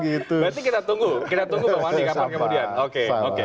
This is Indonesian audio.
kita tunggu bang wandi kemudian